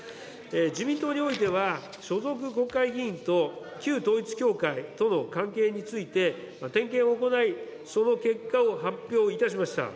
自民党においては、所属国会議員と旧統一教会との関係について、点検を行い、その結果を発表いたしました。